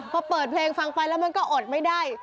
พอเปิดเพลงฟังไปแล้วมันก็อดไม่ได้